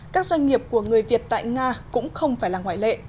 các doanh nghiệp của người việt tại nga cũng không phải là ngoại lệ